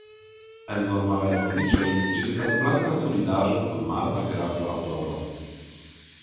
En normalaj kondiĉoj ĝi estas blanka solidaĵo kun malagrabla odoro.